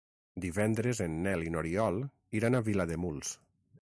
Divendres en Nel i n'Oriol iran a Vilademuls.